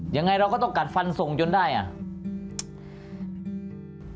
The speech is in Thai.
ยังไงเราก็ต้องกัดฟันส่งจนได้อ่ะ